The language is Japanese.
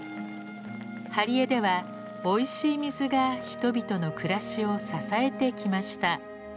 針江ではおいしい水が人々の暮らしを支えてきました。